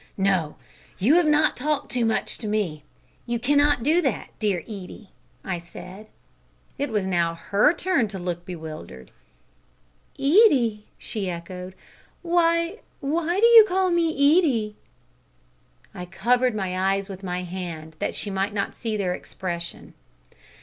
"No, you have not talked too much to me. You cannot do that, dear Edie," I said. It was now her turn to look bewildered. "Edie!" she echoed. "Why why do you call me Edie?" I covered my eyes with my hand, that she might not see their expression.